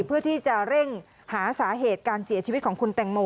เพื่อที่จะเร่งหาสาเหตุการเสียชีวิตของคุณแตงโม